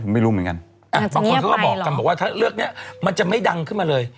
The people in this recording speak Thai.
ไม่รู้เหมือนกันมันจะเงียบไปหรอบอกว่าเรื่องนี้มันจะไม่ดังขึ้นมาเลย